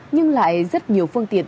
nhưng lại rất nhiều phương tiện